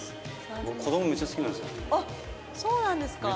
あっそうなんですか。